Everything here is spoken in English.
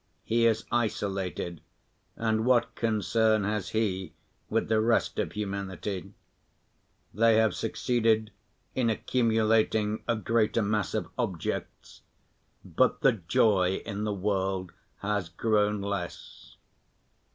He is isolated, and what concern has he with the rest of humanity? They have succeeded in accumulating a greater mass of objects, but the joy in the world has grown less.